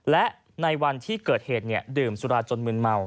และในวันที่เกิดเหตุดื่มสุราจนมืนเมา